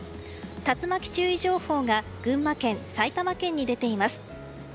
竜巻注意情報が群馬県、埼玉県に出ています。